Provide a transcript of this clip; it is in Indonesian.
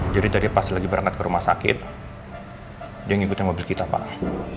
jadi tadi pas lagi berangkat ke rumah sakit dia yang ikutnya mobil kita pak